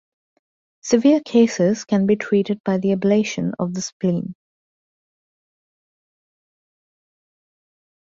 Severe cases can be treated by the ablation of the spleen.